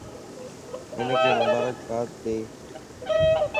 ھنک مبارک باد ڏي